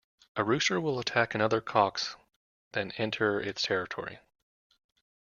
A rooster will attack other cocks that enter its territory.